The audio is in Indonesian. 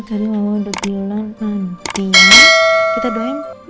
tadi mama udah bilang nanti kita doyan